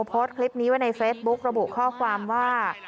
โพสต์คลิปนี้ไว้ในเฟซบุ๊กระบุข้อความว่า